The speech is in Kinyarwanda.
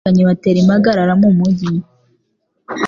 Abasekanyi batera impagarara mu mugi